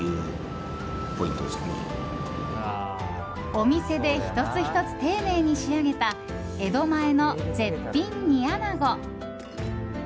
お店で１つ１つ丁寧に仕上げた江戸前の絶品煮穴子。